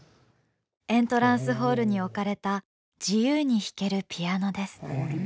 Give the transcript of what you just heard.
エントランスホールに置かれた自由に弾けるピアノです。